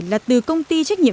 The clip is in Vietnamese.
là từ công ty trách nhiệm